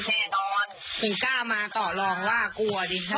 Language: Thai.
หรอพี่ระว่างไม่ได้อีก